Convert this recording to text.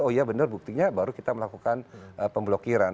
oh iya benar buktinya baru kita melakukan pemblokiran